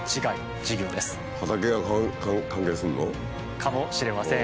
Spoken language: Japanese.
かもしれません。